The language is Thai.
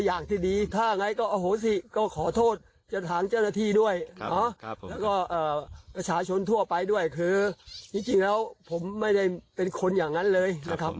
ไม่คนอย่างนั้นเลย